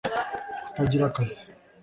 kutagira akazi